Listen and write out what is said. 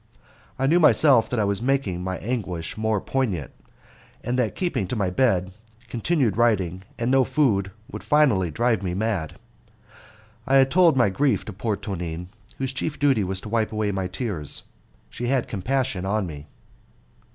I knew myself that I was making my anguish more poignant, and that keeping to my bed, continued writing, and no food, would finally drive me mad. I had told my grief to poor Tonine, whose chief duty was to wipe away my tears. She had compassion on me.